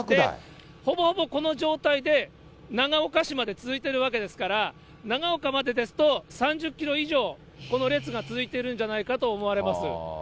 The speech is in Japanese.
ほぼほぼこの状態で、長岡市まで続いているわけですから、長岡までですと３０キロ以上、この列が続いているんじゃないかと思われます。